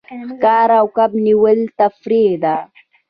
ښکار او کب نیول تفریح ده.